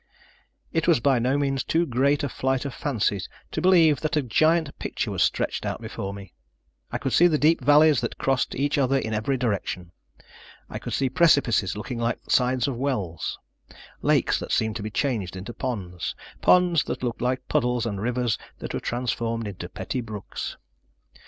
It was by no means too great a flight of fancy to believe that a giant picture was stretched out before me. I could see the deep valleys that crossed each other in every direction. I could see precipices looking like sides of wells, lakes that seemed to be changed into ponds, ponds that looked like puddles, and rivers that were transformed into petty brooks.